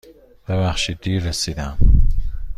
ببخشید دیر رسیدم.